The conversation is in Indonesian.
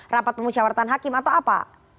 rapat pemusyawaratan hakim atau apa